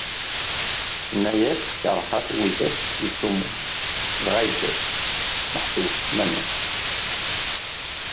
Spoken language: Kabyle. Tenna-yas kerheɣ widak ittcummun, dɣa yeǧǧa-tt ; meḥsub ccemma-nni.